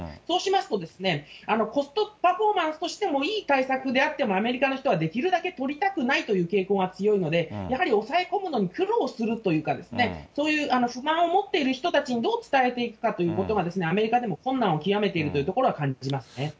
そうしますと、コストパフォーマンスとしてもいい対策であっても、アメリカの人はできるだけ取りたくないという傾向が強いので、やはり抑え込むのに苦労するというか、そういう不満を持っている人たちにどう伝えていくかということが、アメリカでも困難をきわめているということは感じますね。